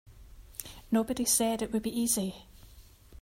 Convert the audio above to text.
Nobody said it would be easy.